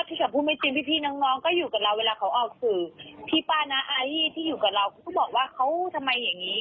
ที่เขาพูดไม่จริงพี่น้องน้องก็อยู่กับเราเวลาเขาออกสื่อพี่ป้าน้าอารีที่อยู่กับเราเขาก็บอกว่าเขาทำไมอย่างงี้